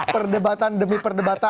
perdebatan demi perdebatan